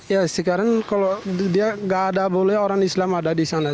ya sekarang kalau dia nggak ada boleh orang islam ada di sana